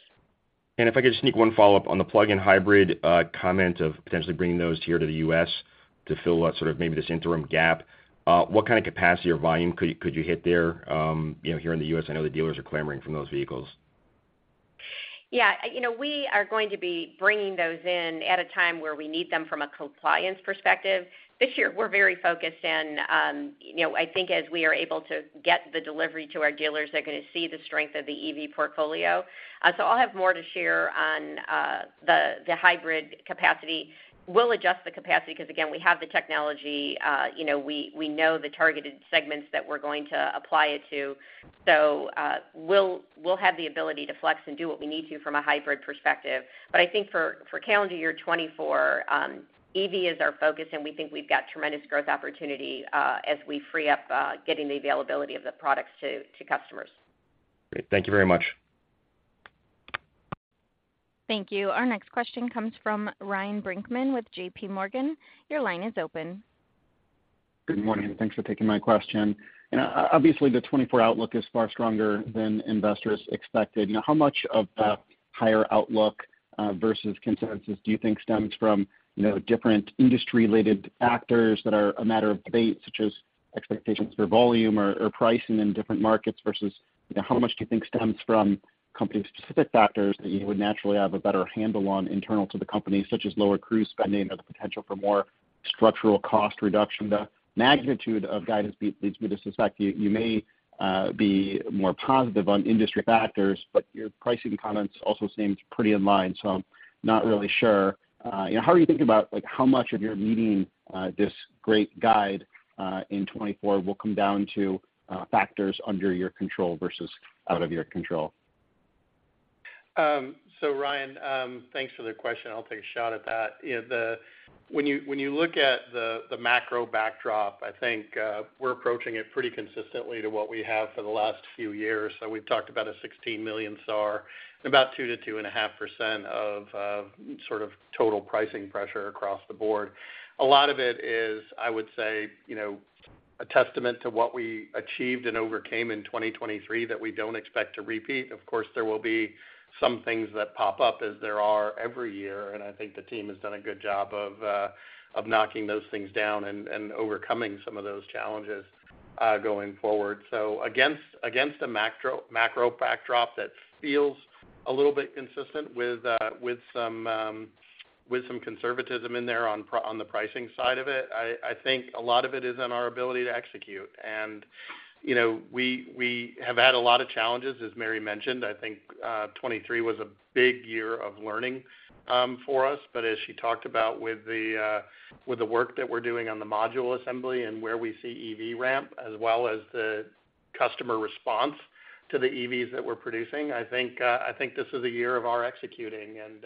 If I could just sneak one follow-up on the plug-in hybrid comment of potentially bringing those here to the U.S. to fill out sort of maybe this interim gap. What kind of capacity or volume could you hit there, you know, here in the U.S.? I know the dealers are clamoring for those vehicles. Yeah, you know, we are going to be bringing those in at a time where we need them from a compliance perspective. This year, we're very focused in, you know, I think as we are able to get the delivery to our dealers, they're going to see the strength of the EV portfolio. So I'll have more to share on the hybrid capacity. We'll adjust the capacity, because, again, we have the technology, you know, we know the targeted segments that we're going to apply it to. So we'll have the ability to flex and do what we need to from a hybrid perspective. But I think for calendar year 2024, EV is our focus, and we think we've got tremendous growth opportunity, as we free up getting the availability of the products to customers. Great. Thank you very much. Thank you. Our next question comes from Ryan Brinkman with J.P. Morgan. Your line is open. Good morning, and thanks for taking my question. You know, obviously, the 2024 outlook is far stronger than investors expected. Now, how much of that higher outlook versus consensus do you think stems from, you know, different industry-related factors that are a matter of debate, such as expectations for volume or pricing in different markets versus, you know, how much do you think stems from company-specific factors that you would naturally have a better handle on internal to the company, such as lower Cruise spending or the potential for more structural cost reduction? The magnitude of guidance leads me to suspect you may be more positive on industry factors, but your pricing comments also seem pretty in line, so I'm not really sure. You know, how are you thinking about, like, how much of your meeting this great guide in 2024 will come down to factors under your control versus out of your control? So Ryan, thanks for the question. I'll take a shot at that. You know, when you look at the macro backdrop, I think we're approaching it pretty consistently to what we have for the last few years. So we've talked about a 16 million SAAR and about 2%-2.5% of sort of total pricing pressure across the board. A lot of it is, I would say, you know, a testament to what we achieved and overcame in 2023 that we don't expect to repeat. Of course, there will be some things that pop up as there are every year, and I think the team has done a good job of knocking those things down and overcoming some of those challenges going forward. So against the macro backdrop, that feels a little bit consistent with some conservatism in there on the pricing side of it. I think a lot of it is on our ability to execute. And, you know, we have had a lot of challenges, as Mary mentioned. I think 2023 was a big year of learning for us. But as she talked about with the work that we're doing on the module assembly and where we see EV ramp, as well as the customer response to the EVs that we're producing, I think this is a year of our executing, and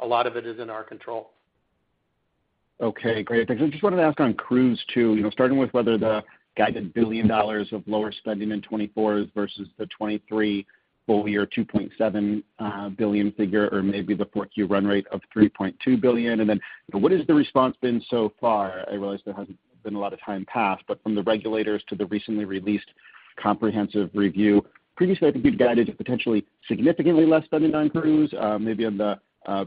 a lot of it is in our control. Okay, great. Thanks. I just wanted to ask on Cruise, too, you know, starting with whether the guided $1 billion of lower spending in 2024 versus the 2023 full year, $2.7 billion figure, or maybe the Q4 run rate of $3.2 billion. And then, what has the response been so far? I realize there hasn't been a lot of time passed, but from the regulators to the recently released comprehensive review. Previously, I think you'd guided to potentially significantly less spending on Cruise, maybe on the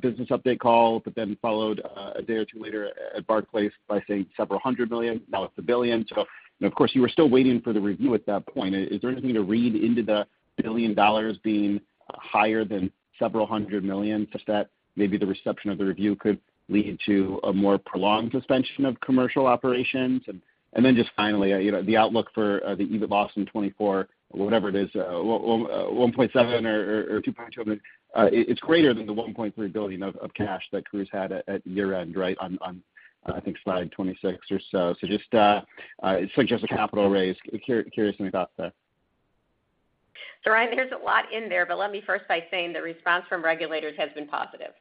business update call, but then followed a day or two later at Barclays by saying several hundred million, now it's $1 billion. So of course, you were still waiting for the review at that point. Is there anything to read into the $1 billion being higher than $several hundred million, such that maybe the reception of the review could lead to a more prolonged suspension of commercial operations? And then just finally, you know, the outlook for the EBIT loss in 2024, whatever it is, $1.7 billion or $2.2 billion, it's greater than the $1.3 billion of cash that Cruise had at year-end, right? On, I think slide 26 or so. So just suggests a capital raise. Curiously about that. So Ryan, there's a lot in there, but let me first by saying the response from regulators has been positive.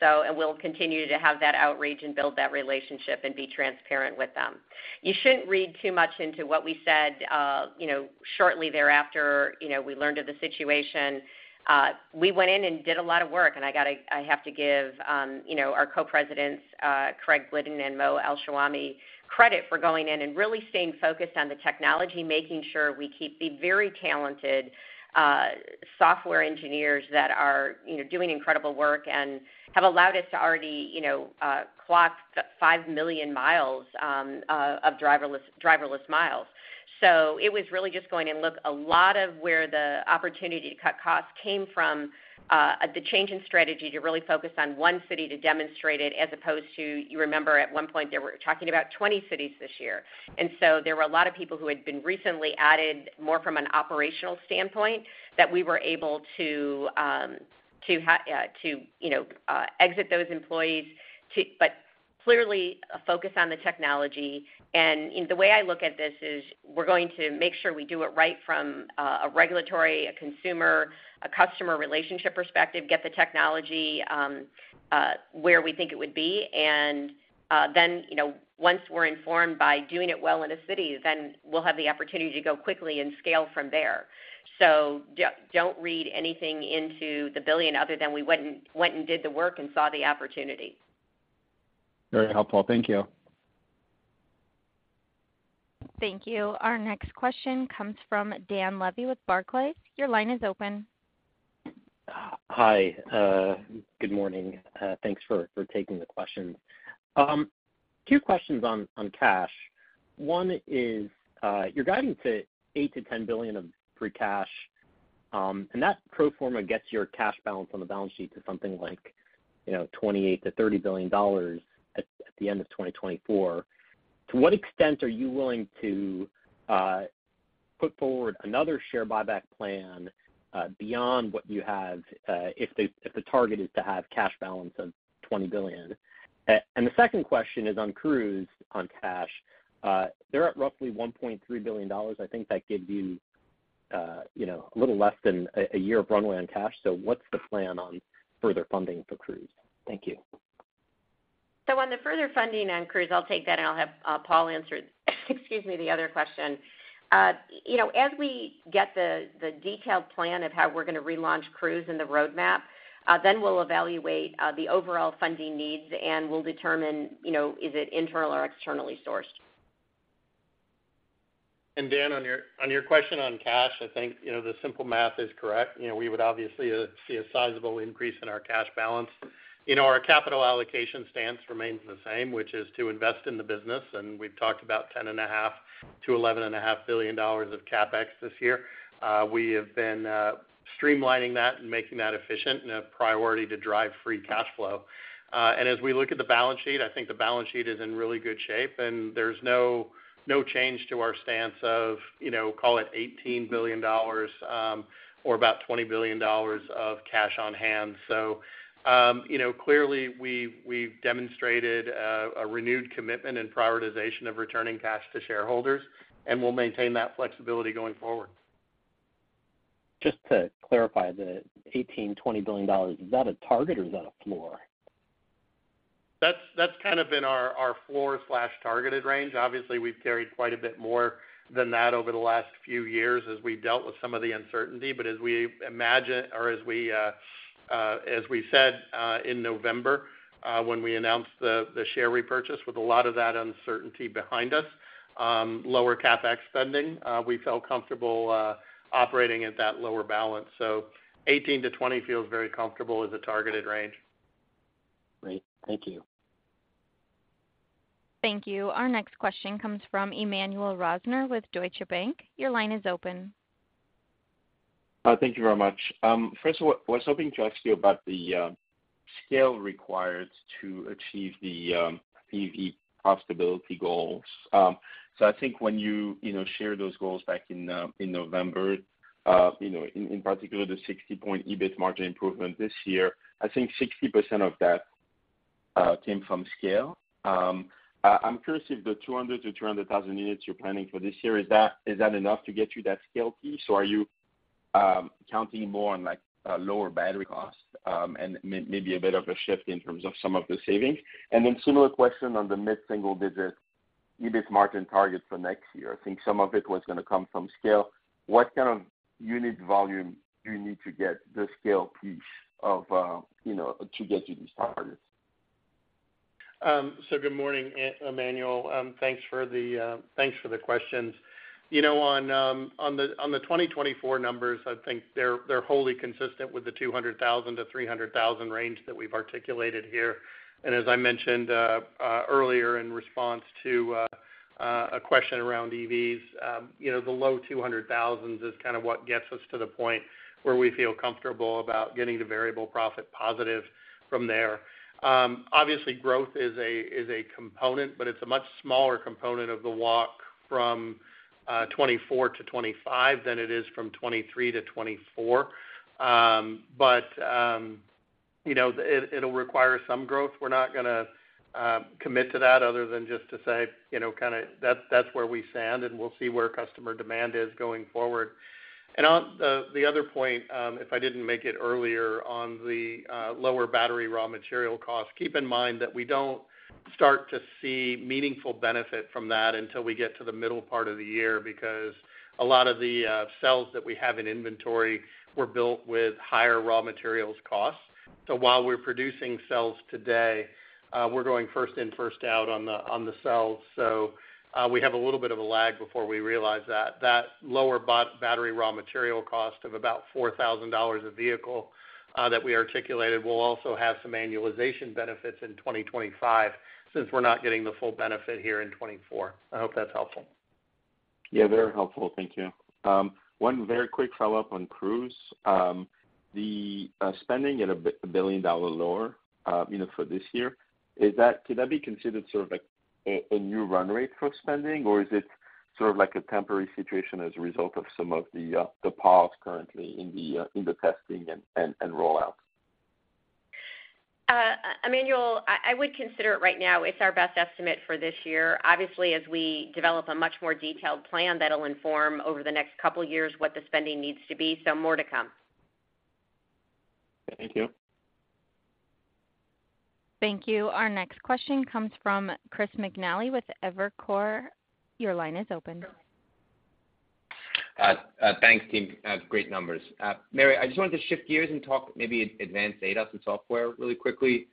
So and we'll continue to have that outreach and build that relationship and be transparent with them. You shouldn't read too much into what we said, you know, shortly thereafter, you know, we learned of the situation. We went in and did a lot of work, and I got to, I have to give, you know, our co-presidents, Craig Glidden and Mo Elshenawy, credit for going in and really staying focused on the technology, making sure we keep the very talented, software engineers that are, you know, doing incredible work and have allowed us to already, you know, clock 5 million miles of driverless miles. So it was really just going and look a lot of where the opportunity to cut costs came from, the change in strategy to really focus on one city to demonstrate it, as opposed to, you remember, at one point, they were talking about 20 cities this year. And so there were a lot of people who had been recently added more from an operational standpoint, that we were able to, you know, exit those employees. But clearly a focus on the technology, and the way I look at this is we're going to make sure we do it right from a regulatory, a consumer, a customer relationship perspective, get the technology where we think it would be. Then, you know, once we're informed by doing it well in a city, then we'll have the opportunity to go quickly and scale from there. Don't read anything into the $1 billion other than we went and, went and did the work and saw the opportunity. Very helpful. Thank you. Thank you. Our next question comes from Dan Levy with Barclays. Your line is open. Hi, good morning. Thanks for taking the question. Two questions on cash. One is, you're guiding to $8 billion-$10 billion of free cash, and that pro forma gets your cash balance on the balance sheet to something like, you know, $28 billion-$30 billion at the end of 2024. To what extent are you willing to put forward another share buyback plan, beyond what you have, if the target is to have cash balance of $20 billion? And the second question is on Cruise, on cash. They're at roughly $1.3 billion. I think that gives you, you know, a little less than a year of runway on cash. So what's the plan on further funding for Cruise? Thank you. So on the further funding on Cruise, I'll take that, and I'll have Paul answer, excuse me, the other question. You know, as we get the detailed plan of how we're gonna relaunch Cruise and the roadmap, then we'll evaluate the overall funding needs, and we'll determine, you know, is it internal or externally sourced? And Dan, on your question on cash, I think, you know, the simple math is correct. You know, we would obviously see a sizable increase in our cash balance. You know, our capital allocation stance remains the same, which is to invest in the business, and we've talked about $10.5 billion-$11.5 billion of CapEx this year. We have been streamlining that and making that efficient and a priority to drive free cash flow. And as we look at the balance sheet, I think the balance sheet is in really good shape, and there's no, no change to our stance of, you know, call it $18 billion or about $20 billion of cash on hand. So, you know, clearly, we've demonstrated a renewed commitment and prioritization of returning cash to shareholders, and we'll maintain that flexibility going forward. Just to clarify, the $18 billion-$20 billion, is that a target or is that a floor? That's, that's kind of been our floor/targeted range. Obviously, we've carried quite a bit more than that over the last few years as we dealt with some of the uncertainty. But as we said in November when we announced the share repurchase, with a lot of that uncertainty behind us, lower CapEx spending, we felt comfortable operating at that lower balance. So $18-$20 feels very comfortable as a targeted range. Great. Thank you. Thank you. Our next question comes from Emmanuel Rosner with Deutsche Bank. Your line is open. Thank you very much. First of all, I was hoping to ask you about the scale required to achieve the EV profitability goals. So I think when you, you know, shared those goals back in November, you know, in particular, the 60-point EBIT margin improvement this year, I think 60% of that came from scale. I'm curious if the 200 to 200,000 units you're planning for this year, is that enough to get you that scale piece? Or are you counting more on, like, lower battery costs, and maybe a bit of a shift in terms of some of the savings? And then similar question on the mid-single digit EBIT margin target for next year. I think some of it was going to come from scale. What kind of unit volume do you need to get the scale piece of, you know, to get you these targets? So good morning, Emmanuel. Thanks for the questions. You know, on the 2024 numbers, I think they're wholly consistent with the 200,000-300,000 range that we've articulated here. And as I mentioned earlier in response to a question around EVs, you know, the low 200,000s is kind of what gets us to the point where we feel comfortable about getting to variable profit positive from there. Obviously, growth is a component, but it's a much smaller component of the walk from 2024-2025 than it is from 2023-2024. But you know, it'll require some growth. We're not gonna commit to that other than just to say, you know, kind of that's, that's where we stand, and we'll see where customer demand is going forward. And on the other point, if I didn't make it earlier on the lower battery raw material costs, keep in mind that we don't start to see meaningful benefit from that until we get to the middle part of the year, because a lot of the cells that we have in inventory were built with higher raw materials costs. So while we're producing cells today, we're going first in, first out on the cells. So, we have a little bit of a lag before we realize that. That lower battery raw material cost of about $4,000 a vehicle, that we articulated, will also have some annualization benefits in 2025, since we're not getting the full benefit here in 2024. I hope that's helpful. Yeah, very helpful. Thank you. One very quick follow-up on Cruise. The spending at a $1 billion lower, you know, for this year, is that, can that be considered sort of like a new run rate for spending, or is it sort of like a temporary situation as a result of some of the pause currently in the testing and rollout? Emmanuel, I would consider it right now, it's our best estimate for this year. Obviously, as we develop a much more detailed plan, that'll inform over the next couple of years what the spending needs to be, so more to come. Thank you. Thank you. Our next question comes from Chris McNally with Evercore. Your line is open. Thanks, team. Great numbers. Mary, I just wanted to shift gears and talk maybe advanced ADAS and software really quickly.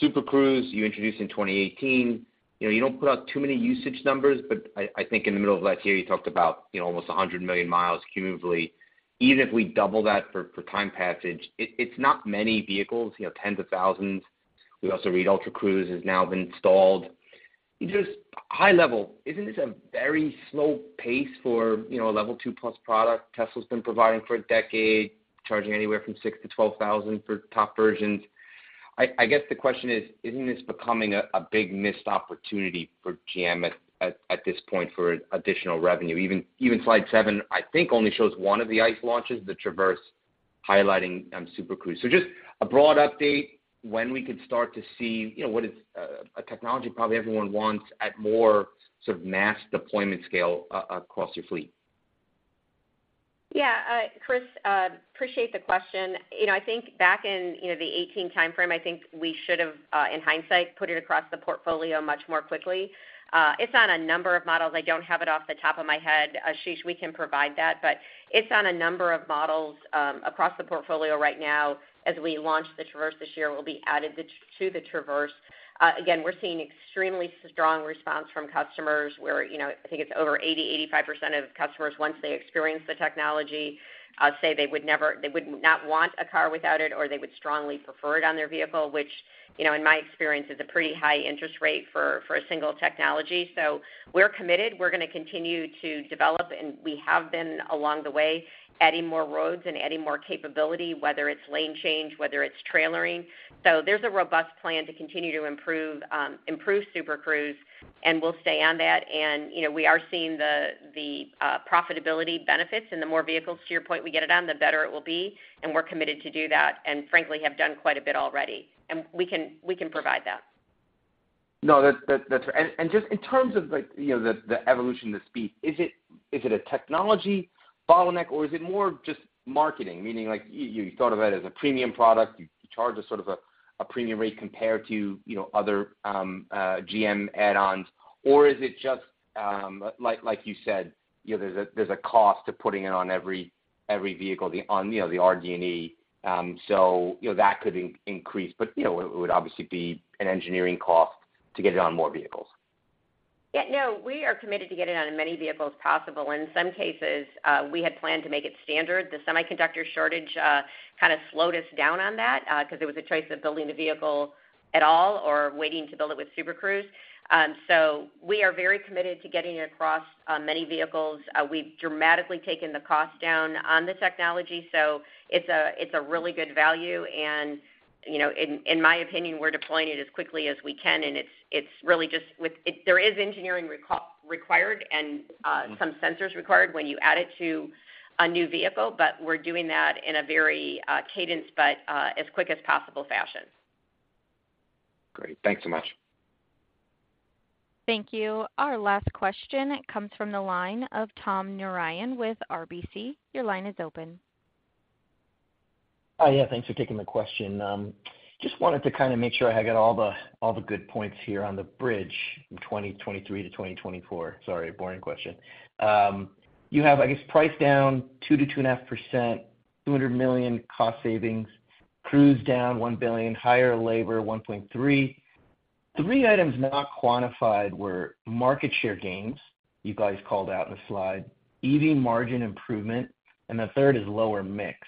Super Cruise, you introduced in 2018. You know, you don't put out too many usage numbers, but I think in the middle of last year, you talked about, you know, almost 100 million miles cumulatively. Even if we double that for time passage, it's not many vehicles, you know, tens of thousands. We also read Ultra Cruise has now been installed. Just high level, isn't this a very slow pace for, you know, a level two-plus product Tesla's been providing for a decade, charging anywhere from $6,000-$12,000 for top versions? I guess the question is: Isn't this becoming a big missed opportunity for GM at this point for additional revenue? Even slide seven, I think, only shows one of the ICE launches, the Traverse, highlighting Super Cruise. So just a broad update, when we could start to see, you know, what is a technology probably everyone wants at more sort of mass deployment scale across your fleet? Yeah, Chris, appreciate the question. You know, I think back in, you know, the 2018 timeframe, I think we should have, in hindsight, put it across the portfolio much more quickly. It's on a number of models. I don't have it off the top of my head. Ashish, we can provide that, but it's on a number of models, across the portfolio right now. As we launch the Traverse this year, it will be added to, to the Traverse. Again, we're seeing extremely strong response from customers where, you know, I think it's over 80%-85% of customers, once they experience the technology, say they would never, they would not want a car without it, or they would strongly prefer it on their vehicle, which, you know, in my experience, is a pretty high interest rate for, for a single technology. So we're committed. We're going to continue to develop, and we have been along the way, adding more roads and adding more capability, whether it's lane change, whether it's trailering. So there's a robust plan to continue to improve Super Cruise, and we'll stay on that. And, you know, we are seeing the profitability benefits, and the more vehicles, to your point, we get it on, the better it will be, and we're committed to do that, and frankly, have done quite a bit already, and we can provide that. No, that's, and just in terms of like, you know, the evolution of the speed, is it a technology bottleneck, or is it more just marketing? Meaning, like, you thought of it as a premium product. You charge a sort of a premium rate compared to, you know, other GM add-ons. Or is it just, like you said, you know, there's a cost to putting it on every vehicle, the, you know, the RD&E, so, you know, that could increase. But, you know, it would obviously be an engineering cost to get it on more vehicles. Yeah, no, we are committed to get it out on as many vehicles as possible. In some cases, we had planned to make it standard. The semiconductor shortage kind of slowed us down on that, because it was a choice of building the vehicle at all or waiting to build it with Super Cruise. So we are very committed to getting it across many vehicles. We've dramatically taken the cost down on the technology, so it's a really good value. And, you know, in my opinion, we're deploying it as quickly as we can, and it's really just with... It, there is engineering required and some sensors required when you add it to a new vehicle, but we're doing that in a very cadence, but as quick as possible fashion. Great. Thanks so much. Thank you. Our last question comes from the line of Tom Narayan with RBC. Your line is open. Hi. Yeah, thanks for taking the question. Just wanted to kind of make sure I had got all the, all the good points here on the bridge from 2023 to 2024. Sorry, boring question. You have, I guess, price down 2%-2.5%, $200 million cost savings, Cruise down $1 billion, higher labor $1.3 billion. Three items not quantified were market share gains, you guys called out in the slide, EV margin improvement, and the third is lower mix.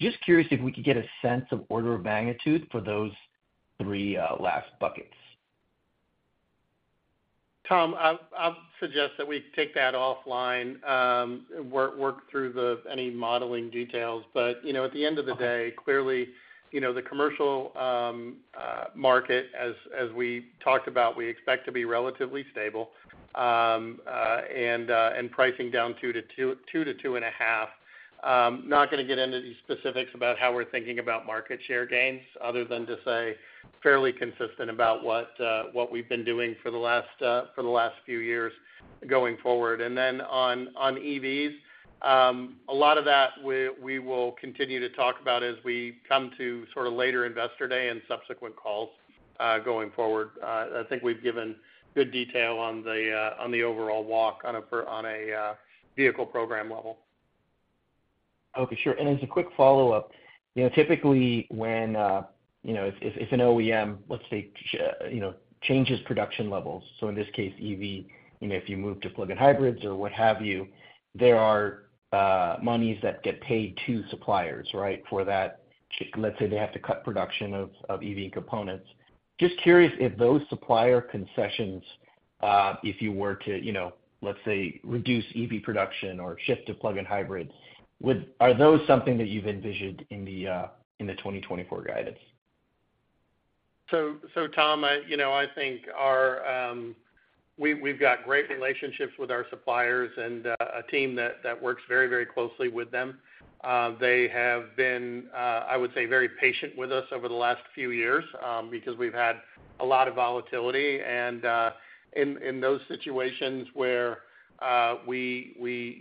Just curious if we could get a sense of order of magnitude for those three last buckets. Tom, I'll suggest that we take that offline, work through any modeling details. But you know, at the end of the day, clearly, you know, the commercial market, as we talked about, we expect to be relatively stable, and pricing down 2-2.5. Not going to get into the specifics about how we're thinking about market share gains other than to say fairly consistent about what we've been doing for the last few years going forward. And then on EVs, a lot of that we will continue to talk about as we come to sort of later Investor Day and subsequent calls going forward. I think we've given good detail on the overall walk on a per vehicle program level. Okay, sure. And as a quick follow-up, you know, typically when you know, if an OEM, let's say, changes production levels, so in this case, EV, you know, if you move to plug-in hybrids or what have you, there are monies that get paid to suppliers, right? For that, let's say they have to cut production of EV components. Just curious if those supplier concessions, if you were to, you know, let's say, reduce EV production or shift to plug-in hybrids, would. Are those something that you've envisioned in the 2024 guidance? So, Tom, you know, I think we've got great relationships with our suppliers and a team that works very, very closely with them. They have been, I would say, very patient with us over the last few years because we've had a lot of volatility. And in those situations where we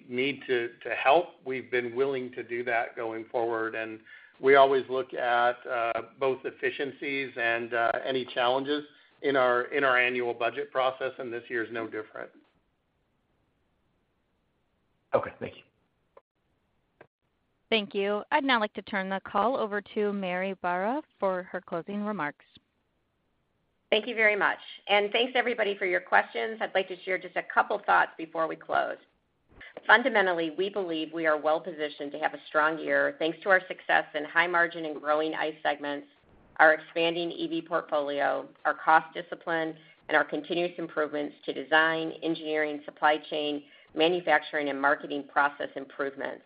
need to help, we've been willing to do that going forward. And we always look at both efficiencies and any challenges in our annual budget process, and this year is no different. Okay. Thank you. Thank you. I'd now like to turn the call over to Mary Barra for her closing remarks. Thank you very much, and thanks everybody for your questions. I'd like to share just a couple thoughts before we close. Fundamentally, we believe we are well positioned to have a strong year, thanks to our success in high-margin and growing ICE segments, our expanding EV portfolio, our cost discipline, and our continuous improvements to design, engineering, supply chain, manufacturing, and marketing process improvements.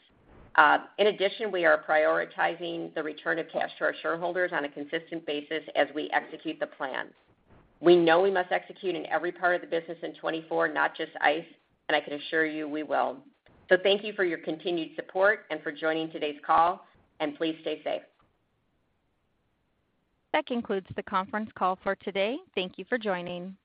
In addition, we are prioritizing the return of cash to our shareholders on a consistent basis as we execute the plan. We know we must execute in every part of the business in 2024, not just ICE, and I can assure you we will. So thank you for your continued support and for joining today's call, and please stay safe. That concludes the conference call for today. Thank you for joining.